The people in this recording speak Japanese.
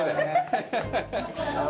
ハハハハ！